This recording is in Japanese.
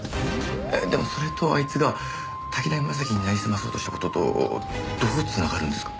えっでもそれとあいつが滝浪正輝になりすまそうとした事とどう繋がるんですか？